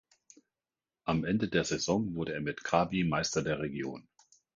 Am Ende der Saison wurde er mit Krabi Meister der Region.